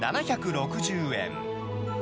７６０円。